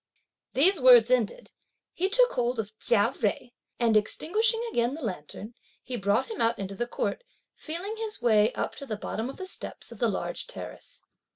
These words ended, he took hold of Chia Jui, and, extinguishing again the lantern, he brought him out into the court, feeling his way up to the bottom of the steps of the large terrace.